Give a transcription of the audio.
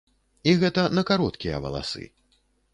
І гэта на кароткія валасы.